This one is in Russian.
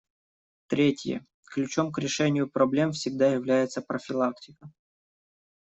Третье: ключом к решению проблем всегда является профилактика.